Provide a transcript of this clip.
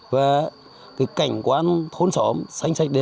và cái cảnh quan thôn xóm xanh xanh đẹp